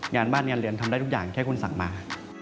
งานบ้านงานเรียนทำได้ทุกอย่างแค่คุณสั่งมา